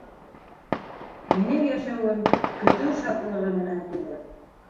Минең йәшәүем көтөү шатлығы менән тулы.